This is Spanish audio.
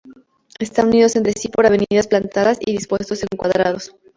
Están unidos entre sí por avenidas plantadas, y dispuestos en cuadrados.